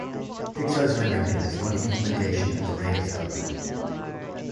Pixar's RenderMan is one implementation of the Reyes algorithm.